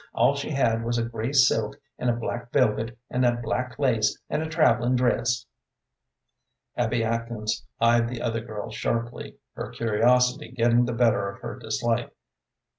All she had was a gray silk and a black velvet, and a black lace, and a travellin' dress!" Abby Atkins eyed the other girl sharply, her curiosity getting the better of her dislike.